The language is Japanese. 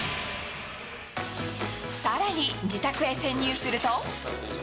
さらに自宅へ潜入すると。